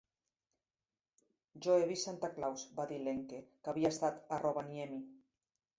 Jo he vist Santa Claus —va dir l'Elke, que havia estat a Rovaniemi.